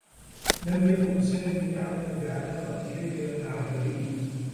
لم يكن سامي يعلم بعلاقة ليلى مع فريد.